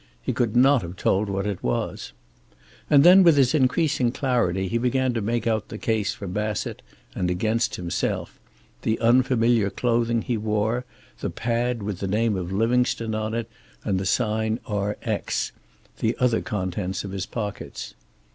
He could not have told what it was. And, with his increasing clarity, he began to make out the case for Bassett and against himself; the unfamiliar clothing he wore, the pad with the name of Livingstone on it and the sign Rx, the other contents of his pockets.